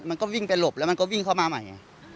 มันก็วิ่งไปหลบแล้วมันก็วิ่งเข้ามาใหม่